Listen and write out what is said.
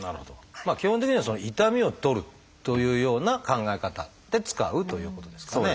基本的には痛みを取るというような考え方で使うということですかね。